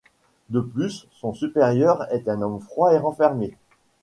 De plus, son supérieur est un homme froid et renfermé.